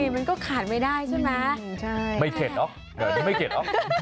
มันก็ขาดไม่ได้ใช่ไหมไม่เข็ดหรอไม่เข็ดหรอ